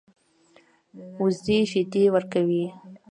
وزې شیدې ورکوي